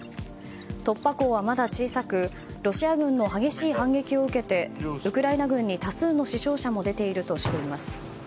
突破口はまだ小さくロシア軍の激しい反撃を受けてウクライナ軍に多数の死傷者も出ているとしています。